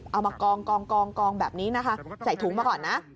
เอามากองแบบนี้นะคะใส่ถุงมาก่อนนะ